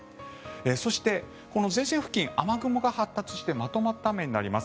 そして、この前線付近雨雲が発達してまとまった雨になります。